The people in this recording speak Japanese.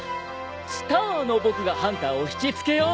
スターの僕がハンターを引きつけよう。